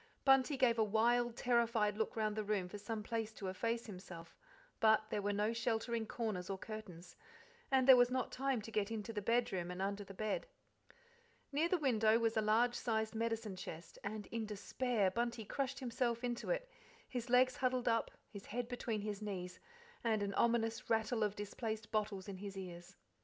Bunty gave a wild, terrified look round the room for some place to efface himself, but there were no sheltering corners or curtains, and there was not time to get into the bedroom and under the bed. Near the window was a large sized medicine chest, and in despair Bunty crushed himself into it, his legs huddled up, his head between his knees, and an ominous rattle of displaced bottles in his ears.